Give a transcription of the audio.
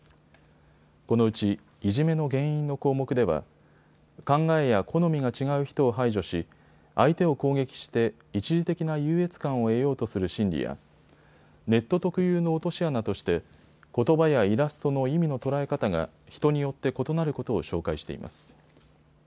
このうちいじめの原因の項目では考えや好みが違う人を排除し相手を攻撃して一時的な優越感を得ようとする心理やネット特有の落とし穴としてことばやイラストの意味の捉え方が人によって異なることを紹介しています。